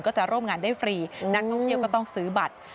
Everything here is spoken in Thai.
ก็จะร่วมงานได้ฟรีนักท่องเที่ยวก็ต้องซื้อบัตร